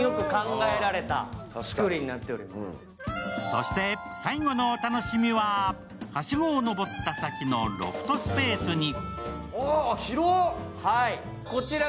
そして最後のお楽しみははしごを上った先のロフトスペースに。